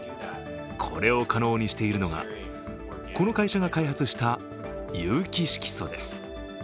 これを可能にしているのが、この会社が開発した有機色素です。